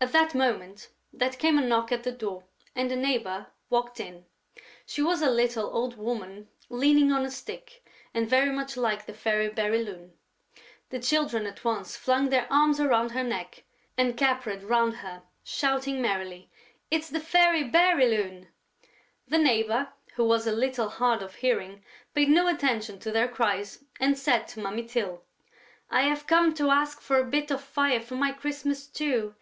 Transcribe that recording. At that moment, there came a knock at the door and the neighbour walked in. She was a little old woman leaning on a stick and very much like the Fairy Bérylune. The Children at once flung their arms around her neck and capered round her, shouting merrily: "It's the Fairy Bérylune!" The neighbour, who was a little hard of hearing, paid no attention to their cries and said to Mummy Tyl: "I have come to ask for a bit of fire for my Christmas stew....